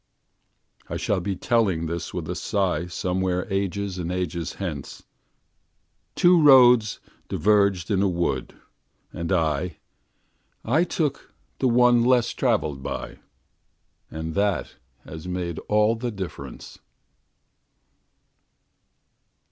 I shall be telling this with a sighSomewhere ages and ages hence:Two roads diverged in a wood, and I—I took the one less traveled by, And that has made all the difference.